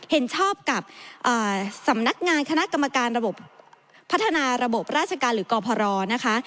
เห็นชอบกับสำนักงานคณะกรรมการระบบพัฒนาระบบราชการหรือกรพรนะคะ